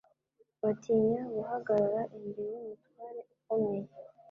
batinya guhagarara imbere y'Umutware ukomeye